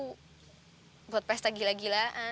makanya tadi tuh aku buat pesta gila gila